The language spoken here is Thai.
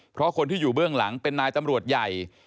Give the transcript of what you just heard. เป็นนายตำรวจใหญ่